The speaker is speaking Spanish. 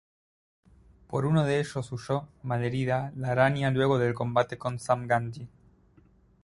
Por uno de ellos huyo, malherida, la araña luego del combate con Sam Gamyi.